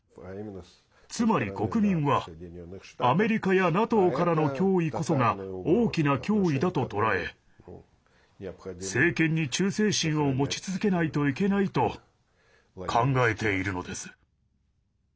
つまり国民は、アメリカやＮＡＴＯからの脅威こそが大きな脅威だと捉え政権に忠誠心を持ち続けないといけないと考えているのです。